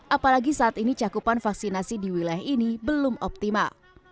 apalagi saat ini cakupan vaksinasi di wilayah ini belum optimal